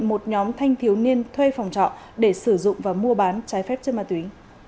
một nhóm thanh thiếu niên thuê phòng trọ để sử dụng và mua bán trái phép chất ma túy